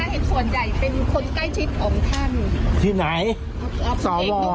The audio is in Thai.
เห็นส่วนใหญ่เป็นคนใกล้ชิดของท่านที่ไหนสว